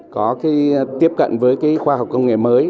có cái tiếp cận với cái khoa học công nghệ mới